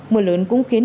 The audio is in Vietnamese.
mưa lớn cũng khiến